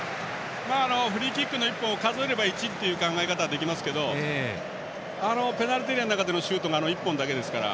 フリーキックの１本を数えれば１ということもできますがペナルティーエリア内のシュートが１本だけなので。